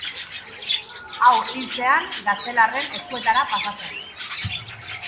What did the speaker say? Hau hiltzean, gaztelarren eskuetara pasa zen.